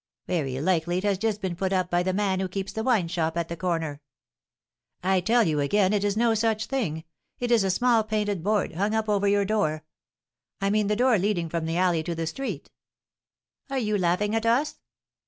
Very likely it has just been put up by the man who keeps the wine shop at the corner." "I tell you again it is no such thing. It is a small painted board, hung up over your door, I mean the door leading from the alley to the street." "Ah, you are laughing at us!"